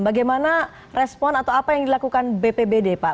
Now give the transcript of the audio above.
bagaimana respon atau apa yang dilakukan bpbd pak